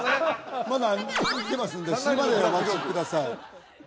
まだ生きてますんで死ぬまでお待ちください